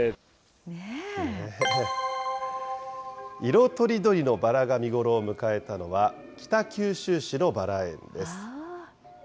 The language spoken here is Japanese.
色とりどりのバラが見頃を迎えたのは、北九州市のバラ園です。